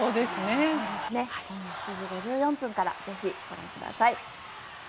今夜７時５４分からぜひご覧ください。